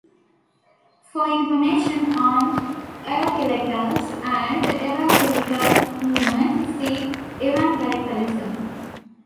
For information on evangelicals and the evangelical movement, see Evangelicalism.